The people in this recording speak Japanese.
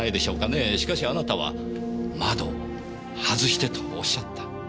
しかしあなたは窓を外してとおっしゃった。